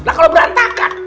nah kalau berantakan